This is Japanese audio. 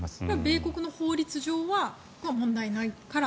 米国の法律上は問題ないから？